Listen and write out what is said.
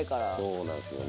そうなんすよね。